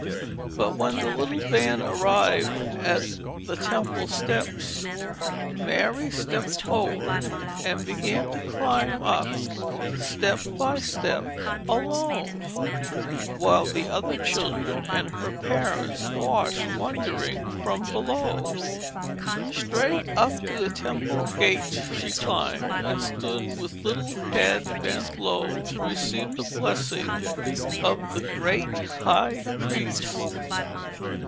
But when the little band arrived at the temple steps, Mary stepped forward and began to climb up, step by step, alone, while the other children and her parents watched wondering from below. Straight up to the temple gates she climbed, and stood with little head bent low to receive the blessing of the great high priest.